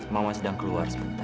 mama sedang keluar sebentar